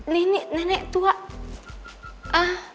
nini nenek tua